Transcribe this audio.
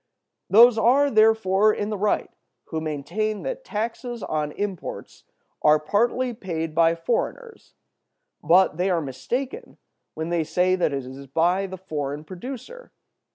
Those are, therefore, in the right who maintain that taxes on imports are partly paid by foreigners; but they are mistaken when they say that it is by the foreign producer.